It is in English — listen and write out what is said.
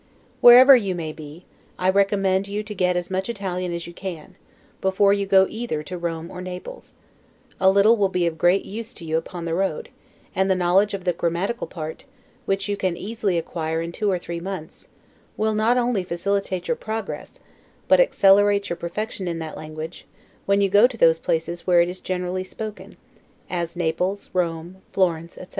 Wherever you may be, I recommend to you to get as much Italian as you can, before you go either to Rome or Naples: a little will be of great use to you upon the road; and the knowledge of the grammatical part, which you can easily acquire in two or three months, will not only facilitate your progress, but accelerate your perfection in that language, when you go to those places where it is generally spoken; as Naples, Rome, Florence, etc.